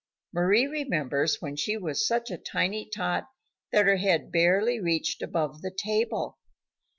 Mari remembers when she was such a tiny tot that her head barely reached above the table.